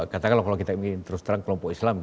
katakanlah kalau kita ingin terus terang kelompok islam